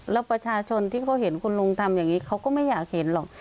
แล้วประชาชนที่เขาเห็นคุณลุงทำอย่างนี้เขาก็ไม่อยากเห็นหรอก